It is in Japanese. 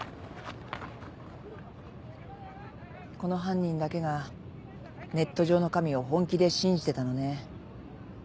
この犯人だけがネット上の神を本気で信じてたのね。